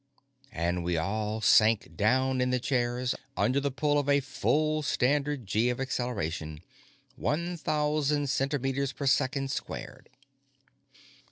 And we all sank down in the chairs, under the pull of a full Standard Gee of acceleration one thousand centimeters per second squared.